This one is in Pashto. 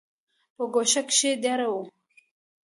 پۀ کوئټه کښې دېره وو،